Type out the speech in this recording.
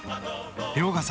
遼河さん